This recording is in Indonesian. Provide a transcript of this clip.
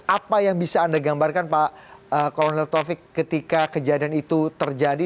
apa yang bisa anda gambarkan pak kolonel taufik ketika kejadian itu terjadi